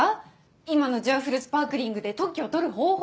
今の「ジュワフルスパークリング」で特許を取る方法。